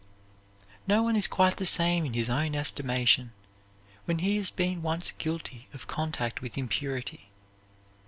No one is quite the same in his own estimation when he has been once guilty of contact with impurity.